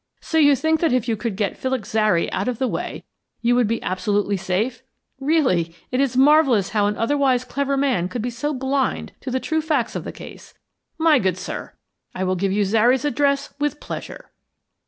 "So you think that if you could get Felix Zary out of the way you would be absolutely safe? Really, it is marvellous how an otherwise clever man could be so blind to the true facts of the case. My good sir, I will give you Zary's address with pleasure."